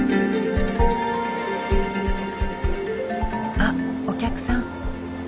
あっお客さん。